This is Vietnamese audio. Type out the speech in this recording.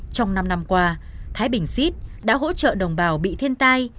trong năm năm qua thái bình xít đã hỗ trợ đồng bào bị thiên tai